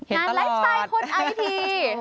เห็นตลอดงานไลฟ์สไตล์คนไอที